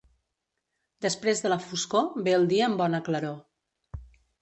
Després de la foscor, ve el dia amb bona claror.